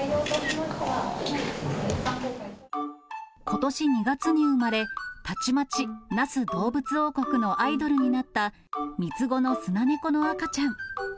ことし２月に生まれ、たちまち那須どうぶつ王国のアイドルになった３つ子のスナネコの赤ちゃん。